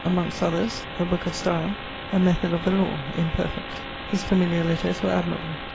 Amongst others: a booke of style; a method of the lawe (imperfect). His familiar letters were admirable.